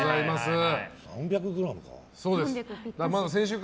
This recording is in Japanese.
３００ｇか。